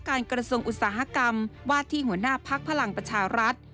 การกระทรวงอุตสาหกรรมว่าที่หัวหน้าภักดิ์พลักษณ์พลังประชารัฐ